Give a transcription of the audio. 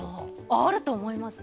あると思います。